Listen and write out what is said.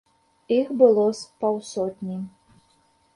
Іх было з паўсотні.